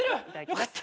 よかった。